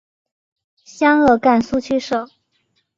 湘鄂赣苏区设。